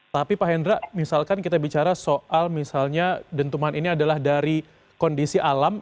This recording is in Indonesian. tapi pak hendra misalkan kita bicara soal misalnya dentuman ini adalah dari kondisi alam